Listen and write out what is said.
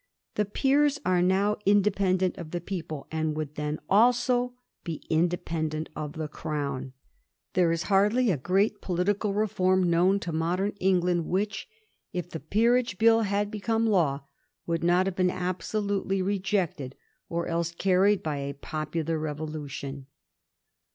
The Peers are now independent of the people, and would then be also independent of the Crown. There is hardly a Digiti zed by Google mo. WALPOLE'S SPEECH. 231 great political reform known to modem England which, if the Peerage Bill had become law, would not have been absolutely rejected or else carried by a popular revolution.